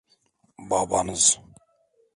Babanız.